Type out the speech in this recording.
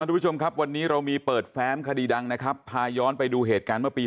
ทุกผู้ชมครับวันนี้เรามีเปิดแฟ้มคดีดังนะครับพาย้อนไปดูเหตุการณ์เมื่อปี